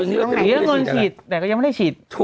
แต่ก็ยังไม่ได้ฉีด